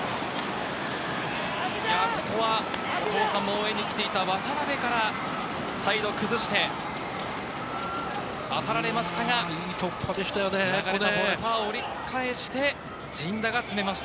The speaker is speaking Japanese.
ここはお父さんも応援に来ていた渡辺からサイド崩して当たられましたが、流れたボール、ファー折り返して、陣田がつめました。